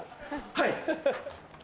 はい！